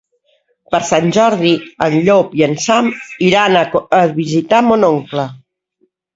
Per Sant Jordi en Llop i en Sam iran a visitar mon oncle.